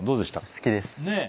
好きです。